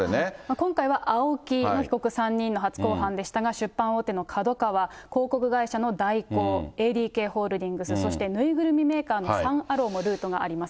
今回はＡＯＫＩの被告３人の初公判でしたが、出版大手のＫＡＤＯＫＡＷＡ、広告会社の大広、ＡＤＫホールディングス、そして縫いぐるみメーカーのサン・アローもルートがあります。